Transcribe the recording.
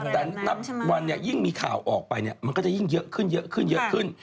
แต่นับวันยิ่งมีข่าวออกไปมันก็จะยิ่งเยอะขึ้น